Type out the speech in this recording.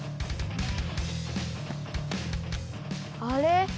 あれ？